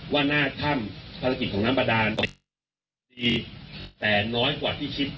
ว่าหน้าถ้ำภารกิจของน้ำบาดานดีแต่น้อยกว่าที่คิด